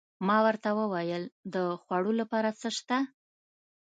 ما ورته وویل: د خوړو لپاره څه شته؟